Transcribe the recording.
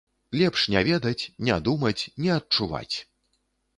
Лепш не ведаць, не думаць, не адчуваць!